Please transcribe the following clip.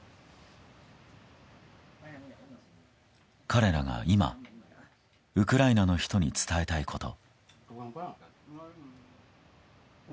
彼らが今ウクライナの人に伝えたいこと。